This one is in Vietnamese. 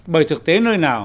bởi thực tế nơi nào